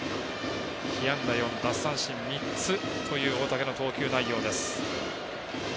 被安打４奪三振３つという大竹の投球内容です。